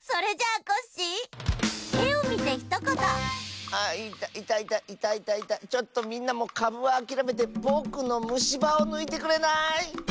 「あいたいたいたいたちょっとみんなもかぶはあきらめてぼくのむしばをぬいてくれない？」。